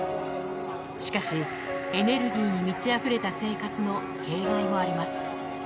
しかし、エネルギーに満ちあふれた生活の弊害もあります。